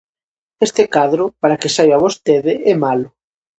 Este cadro, para que saiba vostede, é malo.